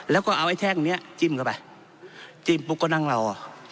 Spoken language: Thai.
แล้วก็เอาไอ้แท่งเนี้ยจิ้มเข้าไปจิ้มปุ๊บก็นั่งเราอ่ะ